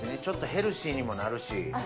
ちょっとヘルシーにもなるし。